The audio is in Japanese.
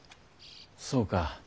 そうか。